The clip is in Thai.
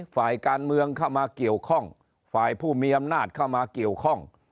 ฝ่ายการเมืองเข้ามาเกี่ยวข้องฝ่ายผู้มีอำนาจเข้ามาเกี่ยวข้อง